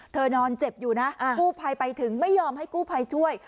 นอนเจ็บอยู่นะกู้ภัยไปถึงไม่ยอมให้กู้ภัยช่วย